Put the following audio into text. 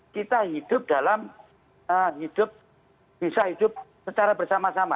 kita hidup dalam hidup bisa hidup secara bersama sama